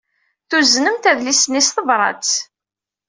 Tuznemt adlis-nni s tebṛat.